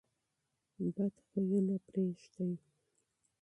بد عادتونه پریږدئ.